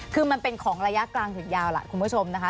คือมันเป็นของระยะกลางถึงยาวล่ะคุณผู้ชมนะคะ